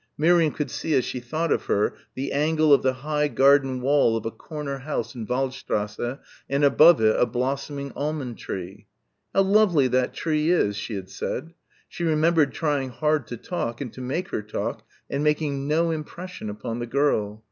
Miriam could see as she thought of her, the angle of the high garden wall of a corner house in Waldstrasse and above it a blossoming almond tree. "How lovely that tree is," she had said. She remembered trying hard to talk and to make her talk and making no impression upon the girl.